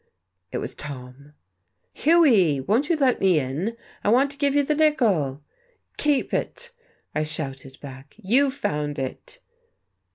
It was Tom. "Hughie, won't you let me in? I want to give you the nickel." "Keep it!" I shouted back. "You found it."